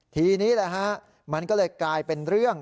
ทีนี้แหละฮะมันก็เลยกลายเป็นเรื่อง